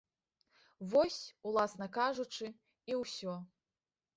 Вось, уласна кажучы, і ўсё.